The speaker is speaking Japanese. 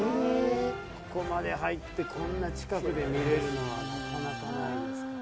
ここまで入ってこんな近くで見られるのはなかなかないですから。